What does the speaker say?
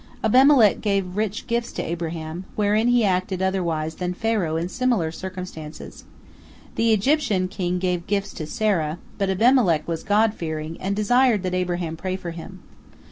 " Abimelech gave rich gifts to Abraham, wherein he acted otherwise than Pharaoh in similar circumstances. The Egyptian king gave gifts to Sarah, but Abimelech was God fearing, and desired that Abraham pray for him.